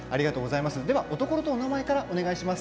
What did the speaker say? おところとお名前からお願いします。